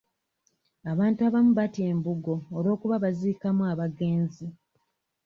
Abantu abamu batya embugo olw'okuba baziikamu abagenzi.